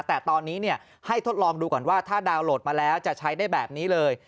แต่ตอนนี้ให้ทดลองดูก่อนว่าถ้าดาวนโหลดมาแล้วจะใช้ได้แบบนี้เลย